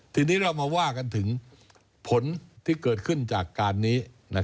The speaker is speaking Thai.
ทีนี้เรามาว่ากันถึงผลที่เกิดขึ้นจากการนี้